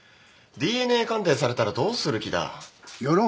ＤＮＡ鑑定されたらどうする気だ。